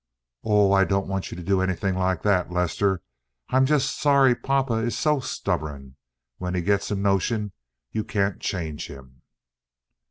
"Oh, I don't want you to do anything like that, Lester. I'm just sorry papa is so stubborn. When he gets a notion you can't change him."